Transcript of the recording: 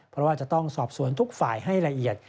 เพราะว่าจะต้องสอบสวนทุกฝ่ายให้ละเอียด